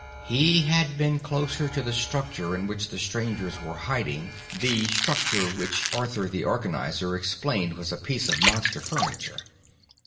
He had been closer to the structure in which the Strangers were hiding the structure which Arthur the Organizer explained was a piece of Monster furniture.